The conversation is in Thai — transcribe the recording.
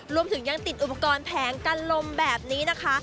รวมถึงยังติดอุปกรณ์แผงกันลมแบบนี้นะคะ